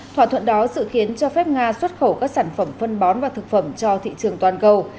thỏa thuận đó dự kiến cho phép nga xuất khẩu các sản phẩm phân bón và thực phẩm cho thị trường toàn cầu